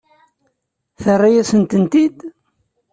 Terra-yasent-tent-id?